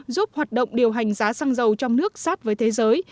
giúp hoạt động điều hành giá xăng dầu trong nước sát với thế giới